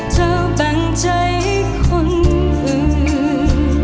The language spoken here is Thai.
เธอแบ่งใจให้คนอื่น